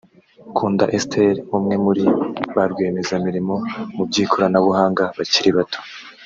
Kunda Esther umwe muri ba rwiyemezamirimo mu by’ikoranabuhanga bakiri bato